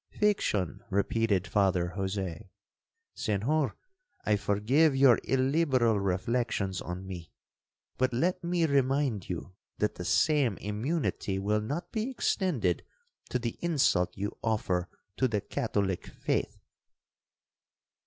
'—'Fiction!' repeated Father Jose—'Senhor, I forgive your illiberal reflections on me,—but let me remind you, that the same immunity will not be extended to the insult you offer to the Catholic faith.'